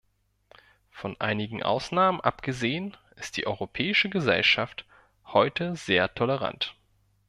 Von einigen Ausnahmen abgesehen, ist die europäische Gesellschaft heute sehr tolerant.